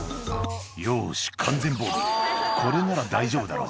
「よし完全防備これなら大丈夫だろう」